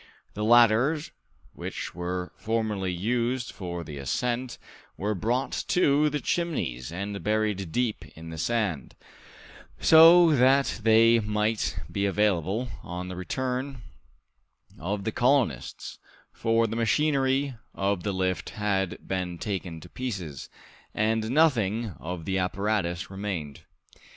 The ladders, which were formerly used for the ascent, were brought to the Chimneys and buried deep in the sand, so that they might be available on the return of the colonists, for the machinery of the lift had been taken to pieces, and nothing of the apparatus remained.